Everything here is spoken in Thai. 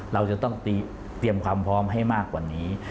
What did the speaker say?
เราจะต้องเตรียมความพร้อมให้มากกว่านี้